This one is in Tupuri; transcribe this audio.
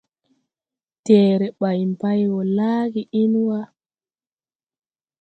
Deere bàyn bay wɔ lagge en wa.